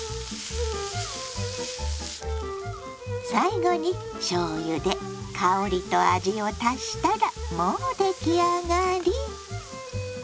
最後にしょうゆで香りと味を足したらもう出来上がり！